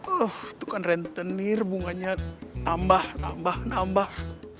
itu kan rentenir bunganya nambah nambah nambah